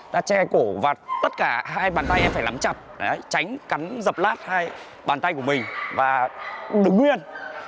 đã che cổ và tất cả hai bàn tay em phải lắm chặt tránh cắn dập lát hai bàn tay của mình và đứng nguyên